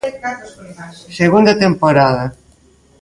Segunda temporada.